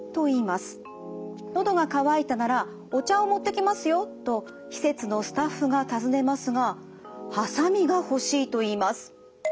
「のどが渇いたならお茶を持ってきますよ」と施設のスタッフが尋ねますがハサミがほしいと言います。